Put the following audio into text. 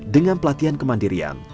dengan pelatihan kemandirian